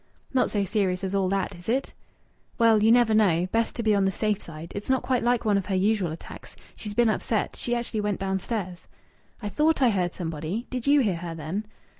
"Not so serious as all that, is it?" "Well, you never know. Best to be on the safe side. It's not quite like one of her usual attacks. She's been upset. She actually went downstairs." "I thought I heard somebody. Did you hear her, then?"